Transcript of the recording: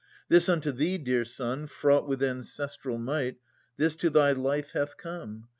This unto thee, dear son. Fraught with ancestral might, This to thy life hath come.